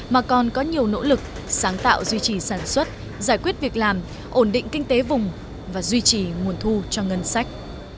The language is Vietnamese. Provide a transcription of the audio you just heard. mà còn có nhiều nỗ lực sáng tạo duy trì sản xuất giải quyết việc làm ổn định kinh tế vùng và duy trì nguồn thu cho ngân sách